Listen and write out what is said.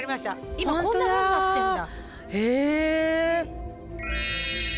今こんなふうになってんだ。